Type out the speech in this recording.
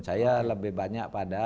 saya lebih banyak pada